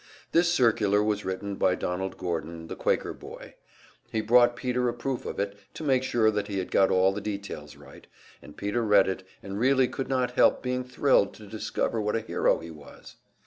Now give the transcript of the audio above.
This circular was written by Donald Gordon, the Quaker boy. He brought Peter a proof of it, to make sure that he had got all the details right, and Peter read it, and really could not help being thrilled to discover what a hero he was.